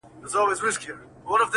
• ځکه دا ټوټې بې شمېره دي لوېدلي -